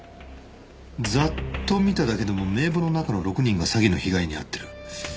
ざっと見ただけでも名簿の中の６人が詐欺の被害に遭っている。